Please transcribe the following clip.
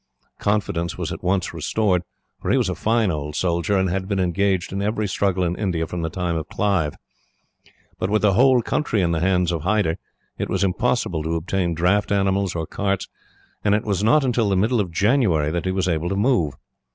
Confidence was at once restored, for he was a fine old soldier, and had been engaged in every struggle in India from the time of Clive; but with the whole country in the hands of Hyder, it was impossible to obtain draft animals or carts, and it was not until the middle of January that he was able to move.